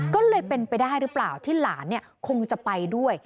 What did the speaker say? ก็เลยเป็นไปได้หรือเปล่าที่หลานคงจะไปด้วย